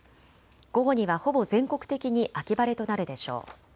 午後には、ほぼ全国的に秋晴れとなるでしょう。